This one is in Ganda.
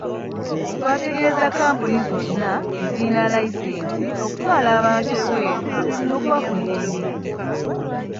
Twategeeza kkampuni zonna ezirina layisinsi okutwala abantu ebweru n'okubafunira emirimu.